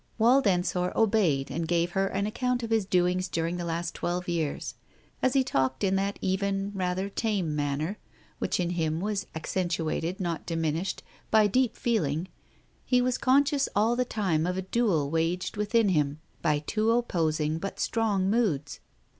Wald Ensor obeyed and gave her an account of his doings during the last twelve years. As he talked in the even, rather tame manner which in him was accent uated, not diminished, by deep feeling, he was conscious all the time of a duel waged within him by two opposing but strong moods.